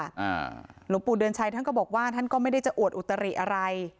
หลวงปู่เดือนชัยท่านก็บอกว่าท่านก็ไม่ได้จะอวดอุตริอะไร